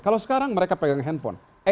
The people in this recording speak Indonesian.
kalau sekarang mereka pegang handphone